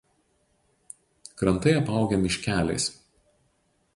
Krantai apaugę miškeliais.